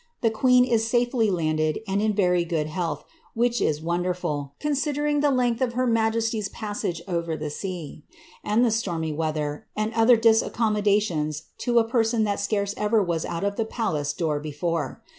the queon is sal'cly landed au'l iti \eTy gotKl liealth, which is von derful, considering the length of her niaje.xiy's pa^isnge over the sea, and the stormy weather, and other dirtacooinnvxlationt, to a i>erson that scarce everwai out of the palace door before.